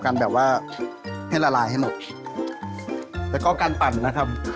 แล้วก็การปั่นนะครับ